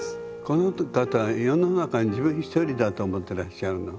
この方は世の中に自分一人だと思ってらっしゃるの。